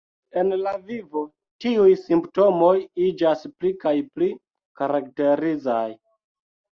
En la vivo tiuj simptomoj iĝas pli kaj pli karakterizaj.